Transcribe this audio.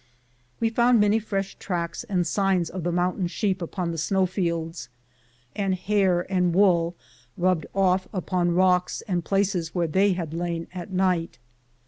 We found many fresh tracks and signs of the moun tain sheep upon the snowfields, and hair and wool rubbed off upon rocks, and places where they had lain at night.